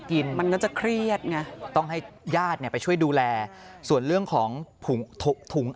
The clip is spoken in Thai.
มันก็จะเครียดไงต้องให้ญาติเนี่ยไปช่วยดูแลส่วนเรื่องของถุง